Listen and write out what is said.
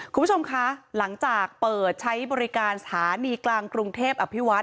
คุณผู้ชมคะหลังจากเปิดใช้บริการสถานีกลางกรุงเทพอภิวัต